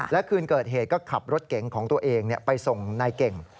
และคืนเกิดเหตุก็ขับรถเก๋งของตัวเองไปส่งนายเก่ง